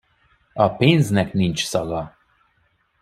A pénznek nincs szaga.